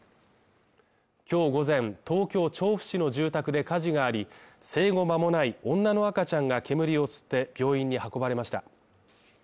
今日午前、東京調布市の住宅で火事があり、生後間もない女の赤ちゃんが煙を吸って病院に運ばれました。